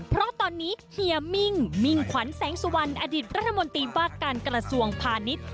เพราะตอนนี้เฮียมิ่งมิ่งขวัญแสงสุวรรณอดีตรัฐมนตรีว่าการกระทรวงพาณิชย์